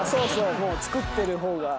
もう作ってる方が。